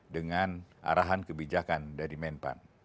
dengan arahan kebijakan dari menpan